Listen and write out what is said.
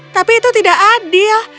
tapi itu tidak adil